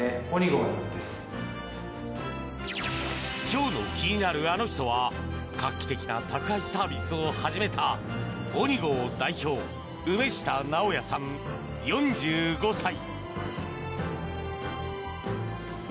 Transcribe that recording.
今日の気になるアノ人は画期的な宅配サービスを始めたＯｎｉＧＯ代表梅下直也さん、４５歳。